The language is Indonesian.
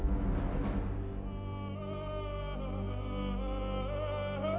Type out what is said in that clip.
nggak ada yang nunggu